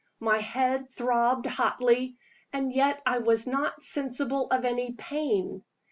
My head throbbed hotly and yet I was not sensible of any pain.